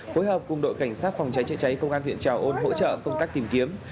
phối hợp cùng đội cảnh sát phòng cháy chữa cháy công an huyện trà ôn hỗ trợ công tác tìm kiếm